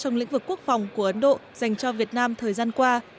trong lĩnh vực quốc phòng của ấn độ dành cho việt nam thời gian qua